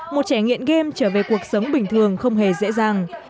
một trẻ nghiện game trở về cuộc sống bình thường không hề dễ dàng